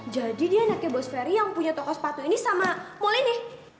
jadi dia anaknya bos ferry yang punya toko sepatu ini sama mul ini